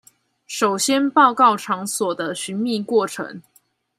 首先報告場所的尋覓過程